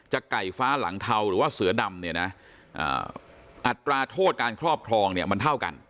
ไก่ฟ้าหลังเทาหรือว่าเสือดำเนี่ยนะอัตราโทษการครอบครองเนี่ยมันเท่ากัน